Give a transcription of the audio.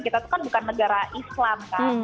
kita itu kan bukan negara islam kan